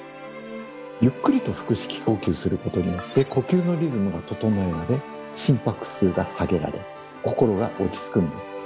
ゆっくりと腹式呼吸することによって呼吸のリズムが整えられ心拍数が下げられ心が落ち着くんです。